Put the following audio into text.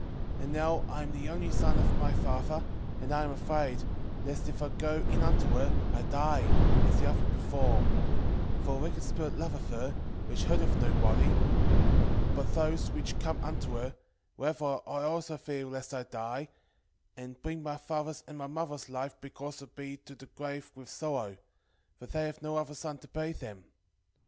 6:14 And now I am the only son of my father, and I am afraid, lest if I go in unto her, I die, as the other before: for a wicked spirit loveth her, which hurteth no body, but those which come unto her; wherefore I also fear lest I die, and bring my father's and my mother's life because of me to the grave with sorrow: for they have no other son to bury them.